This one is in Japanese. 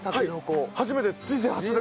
はい初めてです。